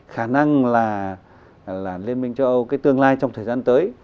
khả năng là liên minh châu âu cái tương lai trong thời gian tới